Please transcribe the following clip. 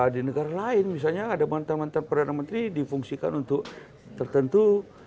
di negara lain misalnya ada mantan mantan perdana menteri difungsikan untuk tertentu